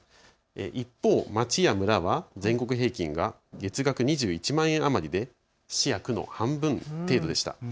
一方、町や村は全国平均が月額２１万円余りで市や区の半分余りでした。